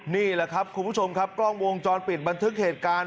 นี่แหละครับคุณผู้ชมครับกล้องวงจรปิดบันทึกเหตุการณ์